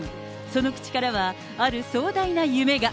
その口からは、ある壮大な夢が。